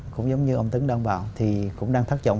cũng giống như ông tấn đang bảo thì cũng đang thất vọng